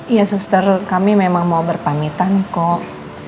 iya suster kami memang mau berpamitan kok